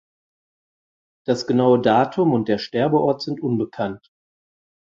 Das genaue Datum und der Sterbeort sind unbekannt.